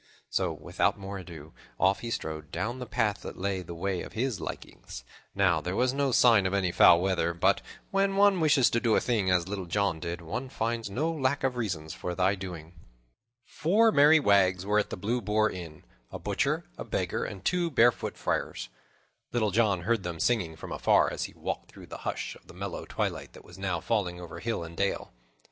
So, without more ado, off he strode down the path that lay the way of his likings. Now there was no sign of any foul weather, but when one wishes to do a thing, as Little John did, one finds no lack of reasons for the doing. Four merry wags were at the Blue Boar Inn; a butcher, a beggar, and two barefoot friars. Little John heard them singing from afar, as he walked through the hush of the mellow twilight that was now falling over hill and dale.